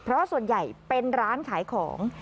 เพราะส่วนใหญ่เป็นร้านขายของ